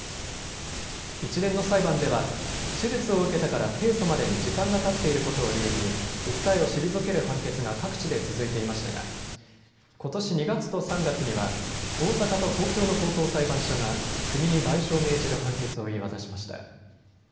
一連の裁判では手術を受けてから提訴までに時間がたっていることを理由に訴えを退ける判決が各地で続いていましたがことし２月と３月には大阪と東京の高等裁判所が国に賠償を命じる判決を言い渡しました。